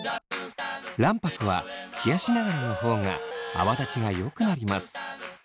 卵白は冷やしながらの方が泡立ちがよくなります。